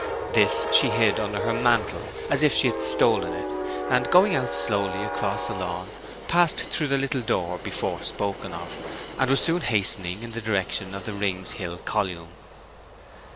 This she hid under her mantle, as if she had stolen it; and, going out slowly across the lawn, passed through the little door before spoken of, and was soon hastening in the direction of the Rings Hill column.